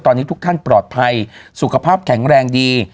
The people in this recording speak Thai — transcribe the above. ตอนนี้ทุกท่านปลอดภัยสุขภาพแข็งแรงดี